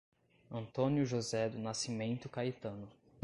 Antônio José do Nascimento Caetano